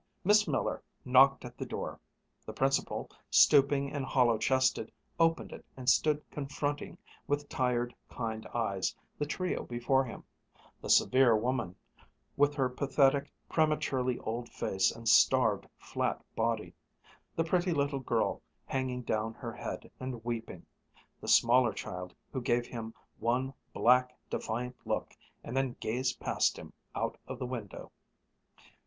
Miss Miller knocked at the door; the Principal, stooping and hollow chested, opened it and stood confronting with tired, kind eyes the trio before him the severe woman, with her pathetic, prematurely old face and starved flat body, the pretty little girl hanging down her head and weeping, the smaller child who gave him one black defiant look and then gazed past him out of the window.